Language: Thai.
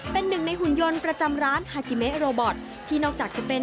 เป็นหนึ่งในหุ่นยนต์ประจำร้านฮาจิเมะโรบอทที่นอกจากจะเป็น